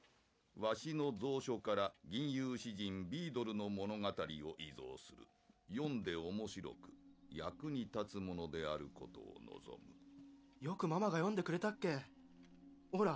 「わしの蔵書から吟遊詩人ビードルの物語を遺贈する」「読んで面白く役に立つものであることを望む」よくママが読んでくれたっけほら